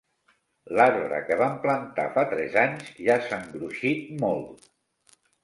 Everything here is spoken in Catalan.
L'arbre que vam plantar fa tres anys ja s'ha engruixit molt.